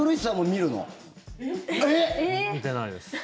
見てないです。